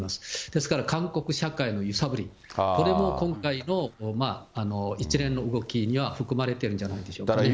ですから韓国社会の揺さぶり、これも今回の一連の動きには含まれてるんじゃないでしょうかね。